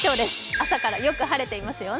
朝からよく晴れていますよ。